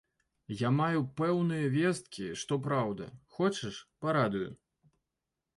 А я маю пэўныя весткі, што праўда, хочаш, парадую?